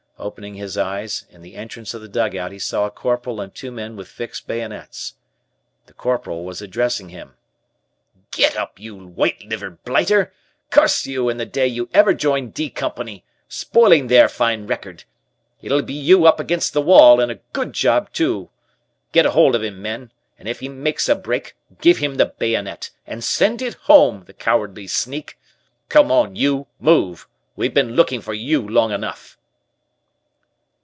Opening his eyes, in the entrance of the dugout he saw a Corporal and two men with fixed bayonets. The Corporal was addressing him: "Get up, you white livered blighter! Curse you and the day you ever joined 'D' Company, spoiling their fine record! It'll be you up against the wall, and a good job too. Get a hold of him, men, and if he makes a break, give him the bayonet, and send it home, the cowardly sneak. Come on, you, move, we've been looking for you long enough."